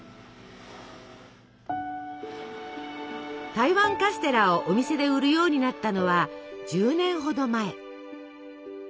台湾カステラをお店で売るようになったのは１０年ほど前。